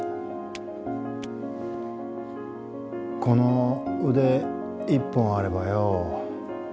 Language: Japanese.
この腕一本あればよ